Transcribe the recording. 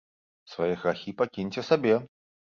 Свае грахі пакіньце сабе.